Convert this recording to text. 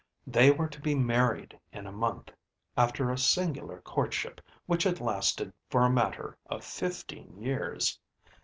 They were to be married in a month, after a singular courtship which had lasted for a matter of fifteen years.